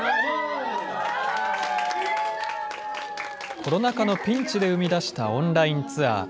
コロナ禍のピンチで生み出したオンラインツアー。